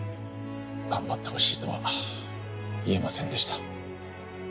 頑張ってほしいとは言えませんでした。